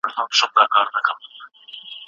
کله به نړیواله ټولنه پاسپورت تایید کړي؟